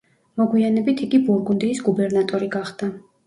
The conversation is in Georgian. მოგვიანებით იგი ბურგუნდიის გუბერნატორი გახდა.